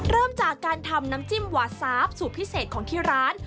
เริ่มจากการทำน้ำจิ้มวาซาฟสูตรพิเศษของที่ร้าน